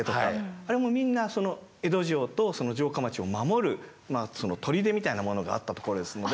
あれもみんなその江戸城とその城下町を守る砦みたいなものがあった所ですので。